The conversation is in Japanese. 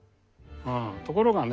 ところがね